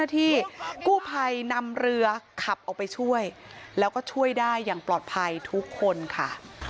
ทุกคนค่ะ